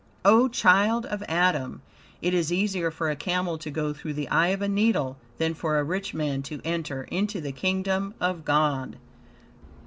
O child of Adam! "It is easier for a camel to go through the eye of a needle than for a rich man to enter into the Kingdom of God."